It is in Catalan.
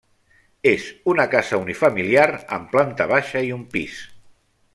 És una casa unifamiliar amb planta baixa i un pis.